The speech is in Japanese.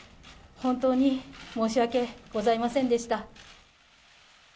本当に申し訳ございませんでした。